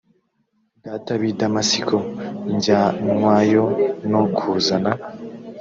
data b i damasiko njyanwayo no kuzana